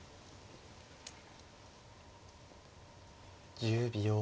１０秒。